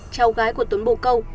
cháu gái của tuấn bồ câu